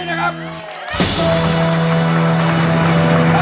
ตัดสินใจให้ดี